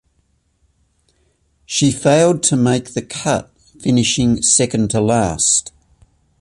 She failed to make the cut, finishing second to last.